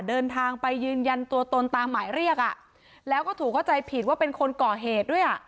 เดินทางไปยืนยันตัวตนตามหมายเรียกอ่ะแล้วก็ถูกเข้าใจผิดว่าเป็นคนก่อเหตุด้วยอ่ะ